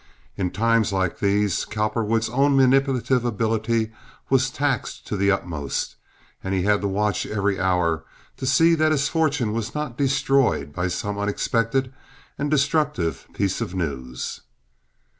In times like these Cowperwood's own manipulative ability was taxed to the utmost, and he had to watch every hour to see that his fortune was not destroyed by some unexpected and destructive piece of news.